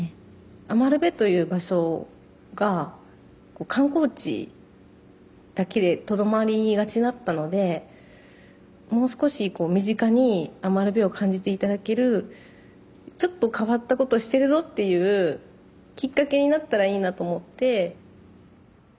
余部という場所が観光地だけでとどまりがちだったのでもう少し身近に余部を感じて頂けるちょっと変わったことしてるぞっていうきっかけになったらいいなと思って。